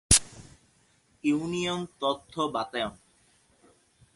union তথ্য বাতায়ন